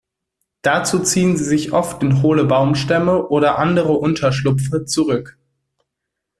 Dazu ziehen sie sich oft in hohle Baumstämme oder andere Unterschlupfe zurück.